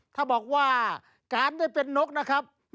ถ้าบอกว่าการได้เป็นนกนะครับ